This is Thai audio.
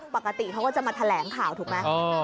ปกติเขาก็จะมาแถลงข่าวถูกไหม